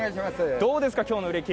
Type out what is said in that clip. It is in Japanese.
どうですか、今日の売れ行き。